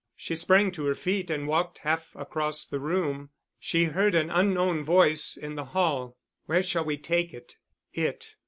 She sprang to her feet and walked half across the room. She heard an unknown voice in the hall. "Where shall we take it?" _It.